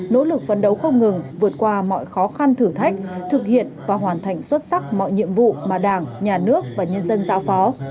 nỗ lực phấn đấu không ngừng vượt qua mọi khó khăn thử thách thực hiện và hoàn thành xuất sắc mọi nhiệm vụ mà đảng nhà nước và nhân dân giao phó